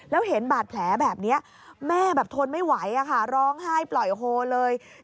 แล้วเห็นบาดแผลแบบนี้แม่แบบทนไม่ไหวอะค่ะร้องไห้ปล่อยโฮเลย